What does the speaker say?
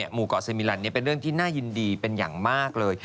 หมู่เกาะซีมิลันเป็นเรื่องที่น่ายินดีเป็นอย่างมากเลย